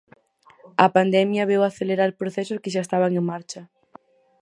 A pandemia veu acelerar procesos que xa estaban en marcha.